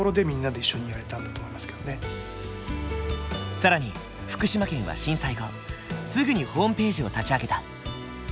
更に福島県は震災後すぐにホームページを立ち上げた。